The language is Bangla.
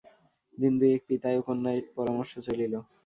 দিন-দুয়েক পিতায় ও কন্যায় পরামর্শ চলিল।